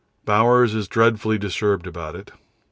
Bowers is dreadfully disturbed about it.